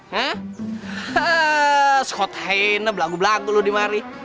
he scott haynes lagu lagu lu dimari